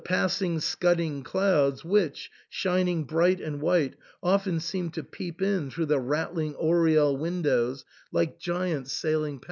passing scudding clouds which, shining bright and white, often seemed to peep in through the rattling oriel windows like giants sailing THE ENTAIL.